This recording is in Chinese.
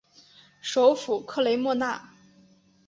首府克雷莫纳。